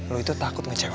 lo itu takut ngecewain gue